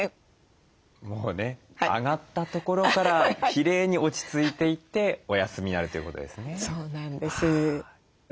もうね上がったところからきれいに落ち着いていってお休みになるということですね。